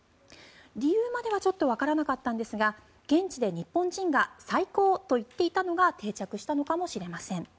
理由まではちょっとわからなかったんですが現地で日本人がサイコーと言っていたのが定着したのかもしれません。